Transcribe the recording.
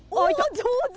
上手！